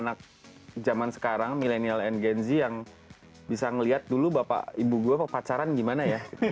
dan menghibur anak anak zaman sekarang millennial and genzi yang bisa ngeliat dulu bapak ibu gue apa pacaran gimana ya